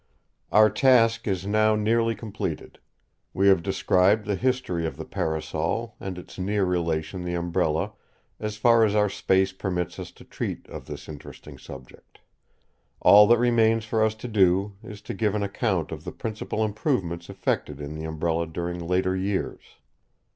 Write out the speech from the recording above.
Our task is now nearly completed: we have described the history of the Parasol, and its near relation the Umbrella, as far as our space permits us to treat of this interesting subject. All that remains for us to do is to give an account of the principal improvements effected in the Umbrella during later years.